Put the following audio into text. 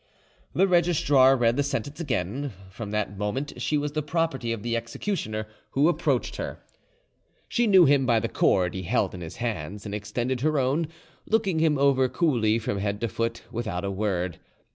The registrar read the sentence again. From that moment she was the property of the executioner, who approached her. She knew him by the cord he held in his hands, and extended her own, looking him over coolly from head to foot without a word.